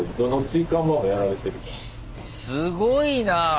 すごいな！